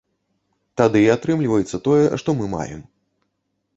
Тады і атрымліваецца тое, што мы маем.